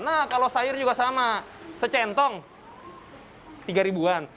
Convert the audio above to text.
nah kalau sayur juga sama secentong tiga ribuan